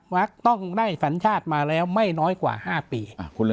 ต้องได้สัญชาติมาแล้วไม่น้อยกว่า๕ปี